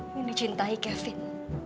yang dicintai kevin